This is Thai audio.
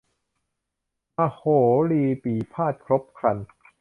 มีมโหรีปี่พาทย์ครบครัน